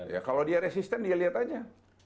ya kalau dia resisten dia lihat aja